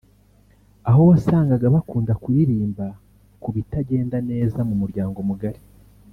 aho wasangaga bakunda kuririmba ku bitagenda neza mu muryango mugari